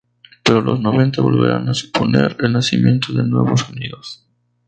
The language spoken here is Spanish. Pero los noventa volverán a suponer el nacimiento de nuevos sonidos.